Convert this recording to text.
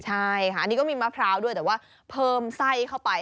ใช่ค่ะอันนี้ก็มีมะพร้าวด้วยแต่ว่าเพิ่มไส้เข้าไป